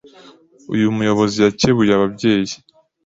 Uyu muyobozi yakebuye ababyeyi